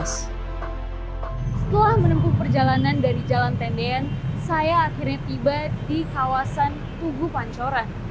setelah menempuh perjalanan dari jalan tendean saya akhirnya tiba di kawasan tugu pancoran